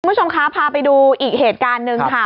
คุณผู้ชมคะพาไปดูอีกเหตุการณ์หนึ่งค่ะ